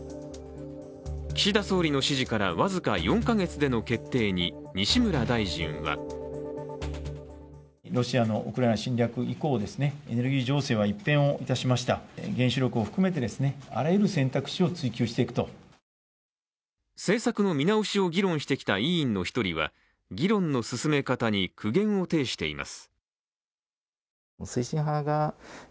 岸田総理の指示から僅か４か月での決定に、西村大臣は政策の見直しを議論してきた委員の１人は、議論の進め方に苦言を呈しています。